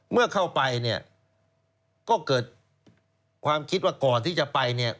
เมื่อเข้าไปก็เกิดความคิดว่าก่อนที่จะไป